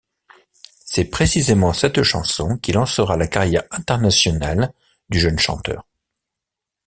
C'est précisément cette chanson qui lancera la carrière internationale du jeune chanteur.